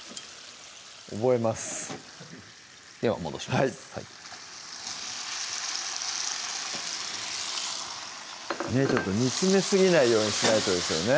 覚えますでは戻しますはいねぇ煮詰めすぎないようにしないとですよね